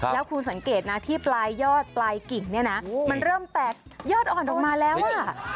แล้วคุณสังเกตนะที่ปลายยอดปลายกิ่งเนี่ยนะมันเริ่มแตกยอดอ่อนออกมาแล้วอ่ะ